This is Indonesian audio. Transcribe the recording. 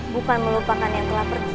bukan melupakan yang telah kita lakukan